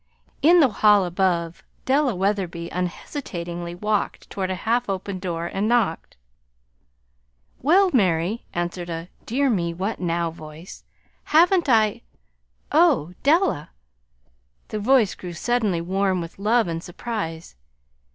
In the hall above Della Wetherby unhesitatingly walked toward a half open door, and knocked. "Well, Mary," answered a "dear me what now" voice. "Haven't I Oh, Della!" The voice grew suddenly warm with love and surprise.